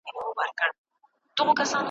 هم روزي کورونه هم مېلمه دی په پاللی `